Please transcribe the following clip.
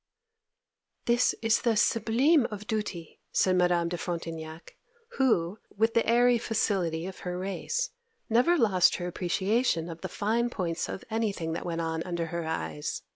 'This is the sublime of duty!' said Madame de Frontignac, who, with the airy facility of her race, never lost her appreciation of the fine points of anything that went on under her eyes.